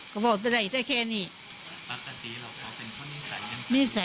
ก็๐๐๐๐ใช่แค่นี่ปกติเราเขาเป็นคนในสายของนิสัย